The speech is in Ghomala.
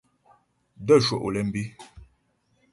N də̂ cwə́ Olémbé.